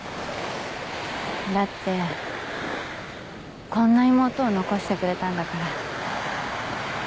だってこんな妹を残してくれたんだから。